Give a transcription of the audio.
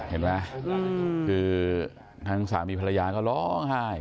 เห็นไหมคือทั้งสามีภรรยาก็ร้องไห้